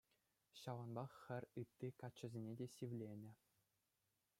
Ҫавӑнпах хӗр ытти каччӑсене те сивленӗ.